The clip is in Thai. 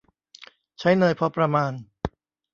ใช้เนยพอประมาณ